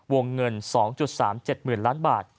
วงเงิน๒๓๗๐๐ล้านบาท